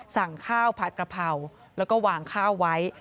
สั่งข้าวผัดกระเพราแล้วก็วางข้าวไว้